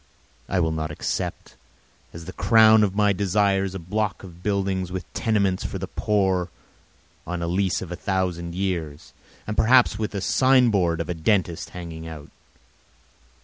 I will not accept as the crown of my desires a block of buildings with tenements for the poor on a lease of a thousand years, and perhaps with a sign board of a dentist hanging out.